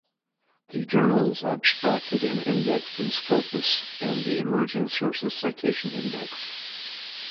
The journal is abstracted and indexed in Scopus and the Emerging Sources Citation Index.